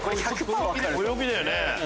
ご陽気だよね。